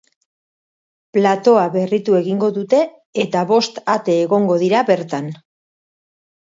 Platoa berritu egingo dute, eta bost ate egongo dira bertan.